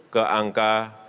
dua puluh tujuh ke angka